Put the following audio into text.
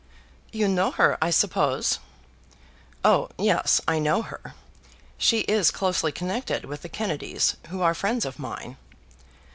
"You know her, I suppose." "Oh yes, I know her. She is closely connected with the Kennedys, who are friends of mine."